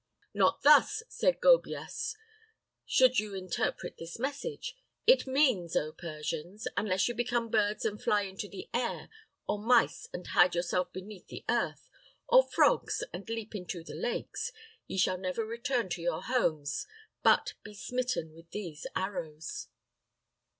"Not thus," said Gobyas, "should you interpret this message. It means, O Persians, unless you become birds and fly into the air, or mice, and hide yourselves beneath the earth, or frogs, and leap into the lakes, ye shall never return to your homes, but be smitten with these arrows."